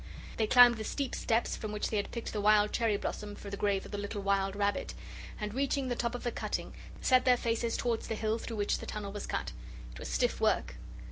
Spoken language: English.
They climbed the steep steps from which they had picked the wild cherry blossom for the grave of the little wild rabbit, and reaching the top of the cutting, set their faces towards the hill through which the tunnel was cut. It was stiff work.